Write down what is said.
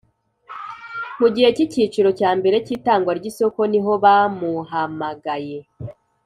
Mu gihe cy icyiciro cya mbere cy itangwa ry isoko niho bamuhamagaye